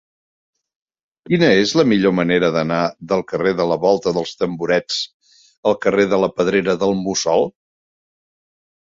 Quina és la millor manera d'anar del carrer de la Volta dels Tamborets al carrer de la Pedrera del Mussol?